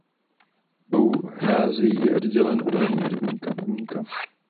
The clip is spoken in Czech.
Úzkou hrází je oddělen od Horního rybníka.